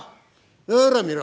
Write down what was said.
「ほらみろ！